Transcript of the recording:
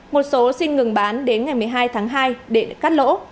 một số xin ngừng bán đến ngày một mươi hai tháng hai để cắt lỗ